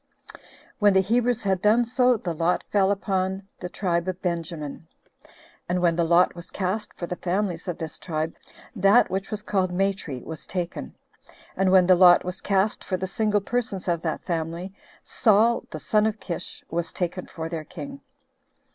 5. When the Hebrews had so done, the lot fell upon the tribe of Benjamin; and when the lot was cast for the families of this tribe, that which was called Matri was taken; and when the lot was cast for the single persons of that family, Saul, the son of Kish, was taken for their king.